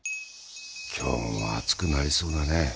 今日も暑くなりそうだね。